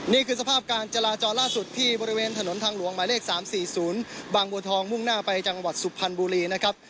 นี่คือสภาพการจราจรล่าสุดที่บริเวณถนนทางหลวงหมายเลข๓๔๐บางบัวทองมุ่งหน้าไปจังหวัดสุพรรณบุรีนะครับ